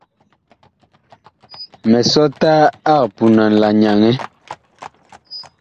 Misɔta ag punan la nyaŋɛ.